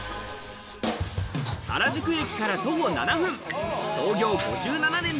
原宿駅から徒歩７分国立の。